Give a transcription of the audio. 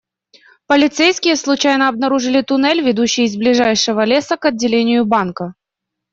Полицейские случайно обнаружили туннель, ведущий из близлежащего леса к отделению банка.